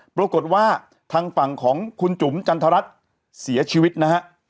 ปรากฏว่าทางฝั่งของคุณจุ๋มจันทรัศน์เสียชีวิตนะฮะ